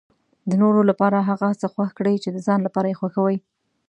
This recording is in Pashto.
د نورو لپاره هغه څه خوښ کړئ چې د ځان لپاره یې خوښوي.